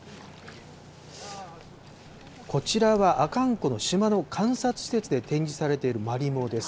こちらは阿寒湖の島の観察施設で展示されているマリモです。